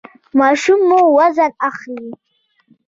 ماشوم مو وزن اخلي؟